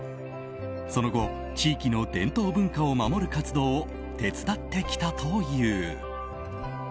その後地域の伝統文化を守る活動を手伝ってきたという。